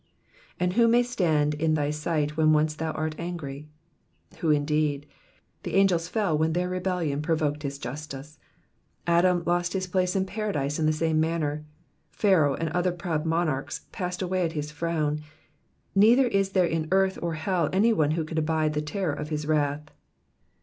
^^And who may stand in thy sight when once thou art angry V Who indeed ? The angels fell when their rebellion provoked his justice ; Adam lost his place in Paradise in the same manner ; Pharaoh and other proud munarchs passed away at his frown ; neither is there in earth or hell any who can abide the terror of his wrath.